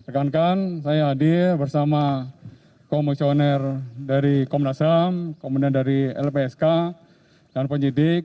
segera saja saya hadir bersama komisioner dari komnas ham komponen dari lpsk dan penyidik